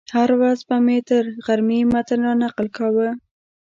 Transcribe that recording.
هره ورځ به مې تر غرمې متن رانقل کاوه.